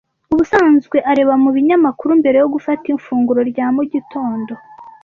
Ubusanzwe areba mu binyamakuru mbere yo gufata ifunguro rya mu gitondo.